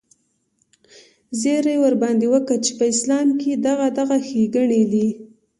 زيرى ورباندې وکه چې په اسلام کښې دغه دغه ښېګڼې دي.